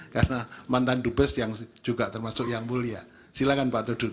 karena mantan dubes yang juga termasuk yang mulia silakan pak todung